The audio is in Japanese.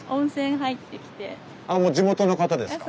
あもう地元の方ですか？